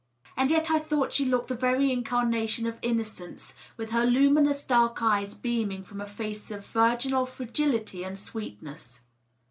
And yet I thought she looked the very incarnation of innocence, with her luminous dark eyes beaming from a face of virginal fragility and sweetness.